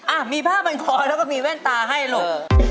อ่ะมีผ้าพันคอแล้วก็มีแว่นตาให้ลูก